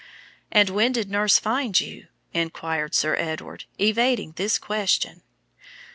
"And when did nurse find you?" inquired Sir Edward, evading this question.